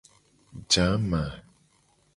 Jama.